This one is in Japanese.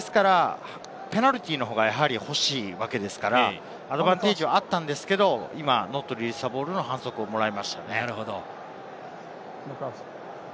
ペナルティーの方が欲しいわけですから、アドバンテージはあったんですけれど、ノットリリースザボールの反則をもらいました。